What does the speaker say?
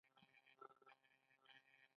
آیا دوی خپل موټرونه نه جوړوي؟